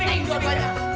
pinting gua banyak